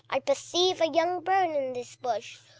I perceive a young bird in this bush!"